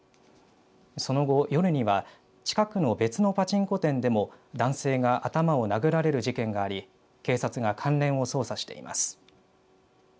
その後、夜には近くの別のパチンコ店でも男性が頭を殴られる事件があり警察が関連を捜査しています。